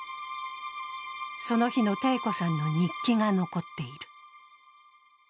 その日の貞子さんの日記が残っている。